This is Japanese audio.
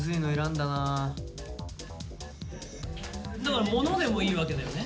だから物でもいいわけだよね。